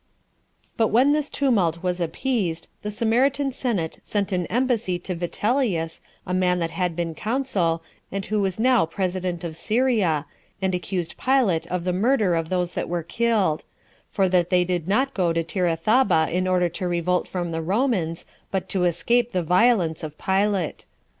2. But when this tumult was appeased, the Samaritan senate sent an embassy to Vitellius, a man that had been consul, and who was now president of Syria, and accused Pilate of the murder of those that were killed; for that they did not go to Tirathaba in order to revolt from the Romans, but to escape the violence of Pilate.